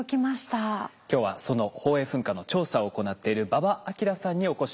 今日はその宝永噴火の調査を行っている馬場章さんにお越し頂きました。